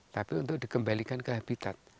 tapi untuk dikembalikan ke habitat